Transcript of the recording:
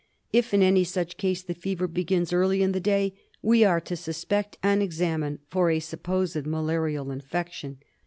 If in any such case the fever begins early in the day we are to suspect and examine for a superposed malarial infection.